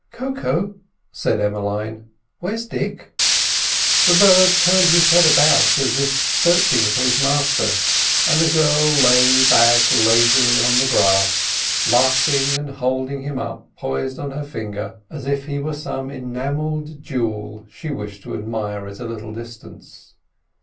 "Koko," said Emmeline, "where is Dick?" The bird turned his head about, as if he were searching for his master; and the girl lay back lazily on the grass, laughing, and holding him up poised on her finger, as if he were some enamelled jewel she wished to admire at a little distance.